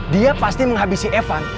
dia pasti menghabisi evan